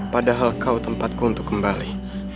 padahal kau tempatku untuk kembali